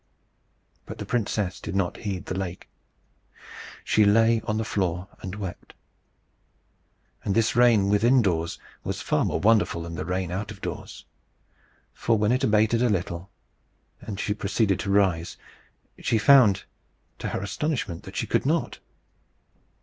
But the princess did not heed the lake. She lay on the floor and wept. And this rain within doors was far more wonderful than the rain out of doors. For when it abated a little, and she proceeded to rise, she found, to her astonishment, that she could not.